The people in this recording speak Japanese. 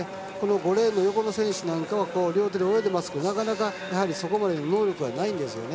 ５レーンの選手なんかは両手で泳いでますけどなかなかそこまでの能力がないんですね。